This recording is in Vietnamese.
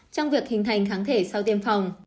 trong việc hình thành kháng thể sau tiêm phòng